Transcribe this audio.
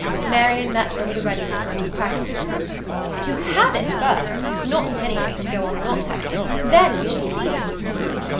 Marian met her with a readiness that was practically pert. "To HAVE it, first. Not at any rate to go on not having it. Then we should see."